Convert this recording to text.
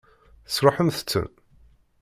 Tesṛuḥemt-ten?